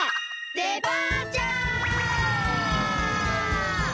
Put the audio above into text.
デパーチャー！